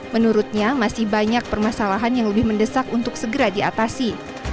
menurutnya masih banyak permasalahan yang lebih mendesak untuk segera diatasi